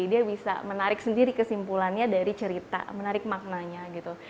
dia bisa menarik sendiri kesimpulannya dari cerita menarik maknanya gitu